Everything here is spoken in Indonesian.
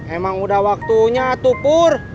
emang udah waktunya tuh pur